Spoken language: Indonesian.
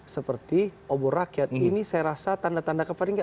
seperti obor rakyat ini saya rasa tanda tanda kepentingan